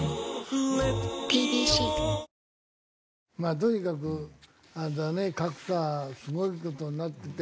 とにかくあれだね格差すごい事になってて。